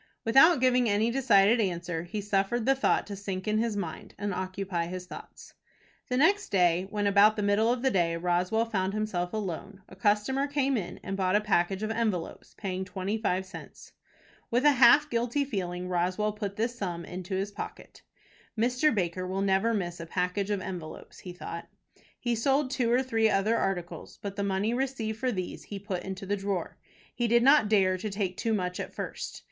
Without giving any decided answer, he suffered the thought to sink into his mind, and occupy his thoughts. The next day when about the middle of the day Roswell found himself alone, a customer came in and bought a package of envelopes, paying twenty five cents. With a half guilty feeling Roswell put this sum into his pocket. "Mr. Baker will never miss a package of envelopes," he thought. He sold two or three other articles, but the money received for these he put into the drawer. He did not dare to take too much at first.